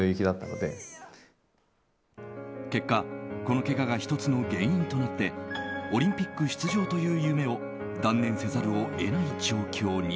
結果このけがが１つの原因となってオリンピック出場という夢を断念せざるを得ない状況に。